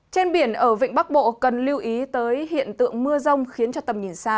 trên biển ở vịnh bắc bộ cần lưu ý tới hiện tượng mưa rông khiến tầm nhìn xa